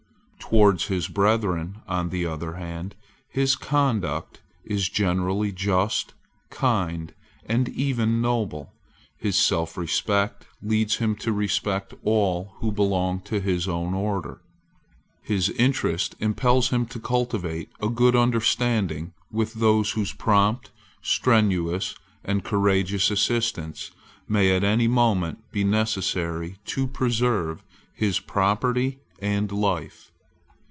Towards his brethren, on the other hand, his conduct is generally just, kind, and even noble. His selfrespect leads him to respect all who belong to his own order. His interest impels him to cultivate a good understanding with those whose prompt, strenuous, and courageous assistance may at any moment be necessary to preserve his property and life.